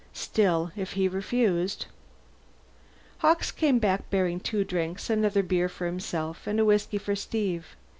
Still, if he refused Hawkes came back bearing two drinks another beer for himself and a whiskey for Steve.